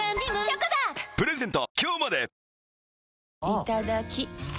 いただきっ！